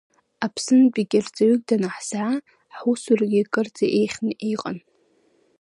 Аԥснынтәигьы рҵаҩык данаҳзаа, ҳусурагьы кырӡа иеиӷьханы иҟан.